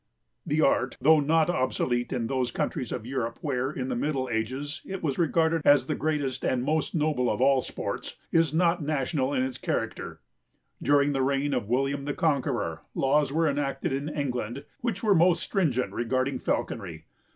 The art, though not obsolete in those countries of Europe where, in the middle ages, it was regarded as the greatest and most noble of all sports, is not national in its character. During the reign of William the Conqueror laws were enacted in England which were most stringent regarding falconry.